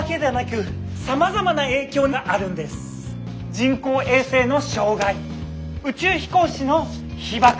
人工衛星の障害宇宙飛行士の被ばく。